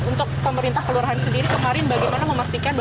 untuk pemerintah kelurahan sendiri kemarin bagaimana memastikan